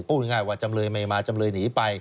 พูดง่ายว่าจำเลยไม่มาจำเลยหนีไป